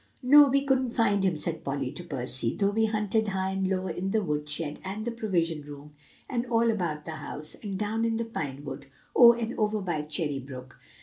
"No, we couldn't find him," said Polly to Percy, "though we hunted high and low, in the woodshed, and the Provision Room, and all about the house, and down in the pine wood, oh! and over by Cherry Brook.